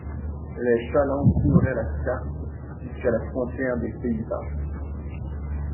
Les chalands couvraient la Scarpe jusqu'à la frontière des Pays-Bas.